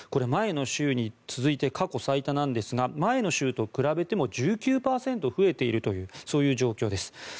前の週に続いて過去最多なんですが前の週と比べても１９％増えているというそういう状況です。